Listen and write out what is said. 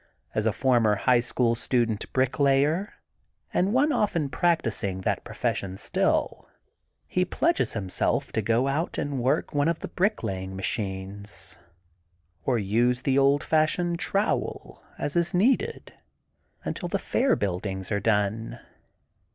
As a former High School student bricklayer and one often practicing that pro fession still, he pledges himself to go out and \ THE GOLDEN BOOK OF SPRINGFIELD 241 work one of the bricklaying machines, or nse the old fashioned trowel, as is needed, until the Fair buildings are done.